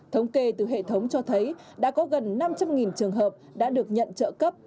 thống kê từ hệ thống cho thấy đã có gần năm trăm linh trường hợp đã được nhận trợ cấp